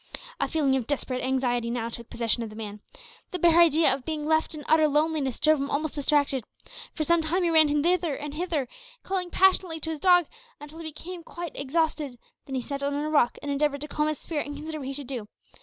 A feeling of desperate anxiety now took possession of the man. The bare idea of being left in utter loneliness drove him almost distracted. For some time he ran hither and thither, calling passionately to his dog, until he became quite exhausted; then he sat down on a rock, and endeavoured to calm his spirit and consider what he should do.